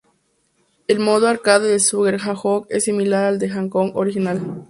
El modo arcade en "Super Hang-On" es similar al del "Hang-On" original.